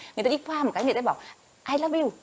người ta đi qua một cái người ta bảo i love you